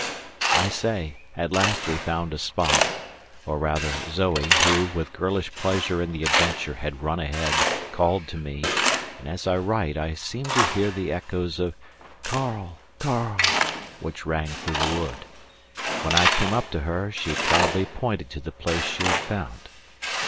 I say, at last we found a spot, or rather Zoe, who, with girlish pleasure in the adventure, had run ahead, called to me, and as I write I seem to hear the echoes of "Karl! Karl!" which rang through the wood. When I came up to her she proudly pointed to the place she had found.